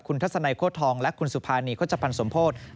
ทัศนัยโค้ทองและคุณสุภานีโฆษภัณฑ์สมโพธิ